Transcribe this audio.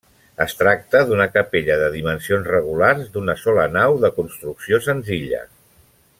Es tracta d'una capella de dimensions regulars, d'una sola nau, de construcció senzilla.